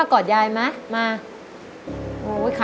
รักยายไหมคะ